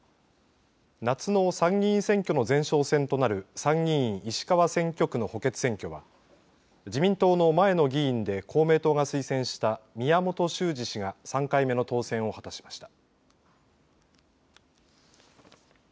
夏の参議院選挙の前哨戦となる参議院石川選挙区の補欠選挙は自民党の前の議員で公明党が推薦した宮本周司氏が３回目の当選を果たしました。